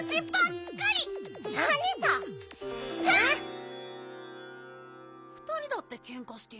ふたりだってけんかしてんじゃん。